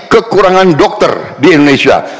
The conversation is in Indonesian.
kekurangan dokter di indonesia